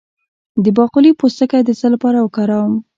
د باقلي پوستکی د څه لپاره وکاروم؟